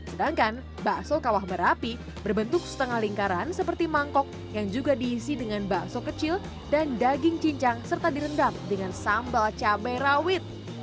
sedangkan bakso kawah berapi berbentuk setengah lingkaran seperti mangkok yang juga diisi dengan bakso kecil dan daging cincang serta direndam dengan sambal cabai rawit